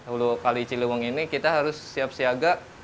hulu kali ciliwung ini kita harus siap siaga